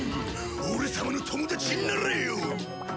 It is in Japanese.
俺様の友達になれよ！